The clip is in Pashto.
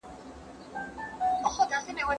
همدغه دوه قدمه لار مې سر ته نه رسیږي